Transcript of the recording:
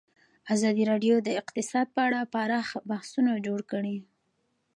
ازادي راډیو د اقتصاد په اړه پراخ بحثونه جوړ کړي.